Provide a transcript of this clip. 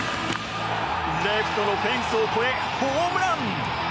レフトのフェンスを越えホームラン！